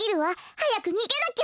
はやくにげなきゃ！